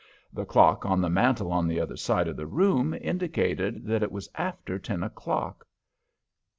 The clock on the mantle on the other side of the room indicated that it was after ten o'clock.